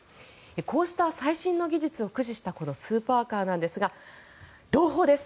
こうした最新の技術を駆使したスーパーカーなんですが朗報です。